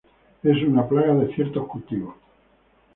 Es una plaga de ciertos cultivos.